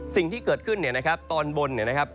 สิ่งที่เกิดขึ้นตอนบนนะครับ